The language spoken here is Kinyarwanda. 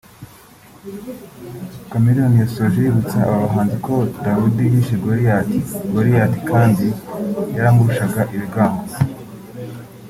Chameleone yasoje yibutsa aba bahanzi ko na Dawudi yishe Goriyati(Goliath) kandi yaramurushaga ibigango